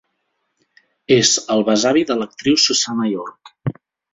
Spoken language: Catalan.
És el besavi de l'actriu Susannah York.